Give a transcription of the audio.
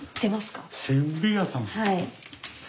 はい。